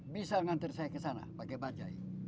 bisa ngantir saya ke sana pakai bajaj